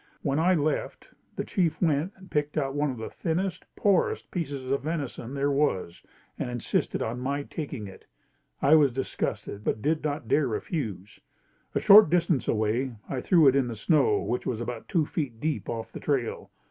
When I left the chief went and picked out one of the thinnest, poorest pieces of venison there was and insisted on my taking it. I was disgusted but did not dare refuse. A short distance away, I threw it in the snow which was about two feet deep off the trail.